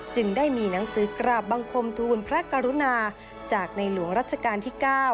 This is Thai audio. จึงได้มีหนังสือกราบบังคมทูลพระกรุณาจากในหลวงรัชกาลที่๙